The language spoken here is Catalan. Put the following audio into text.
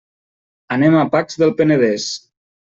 Anem a Pacs del Penedès.